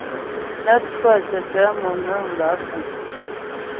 Nə́ cwə̂ cəcə̌ mònə̀ŋ bə́ á púŋ.